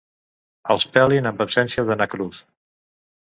Els pelin en absència de na Cruz.